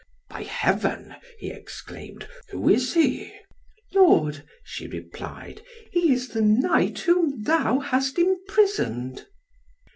"By Heaven," he exclaimed, "who is he?" "Lord," she replied, "he is the knight whom thou hast imprisoned."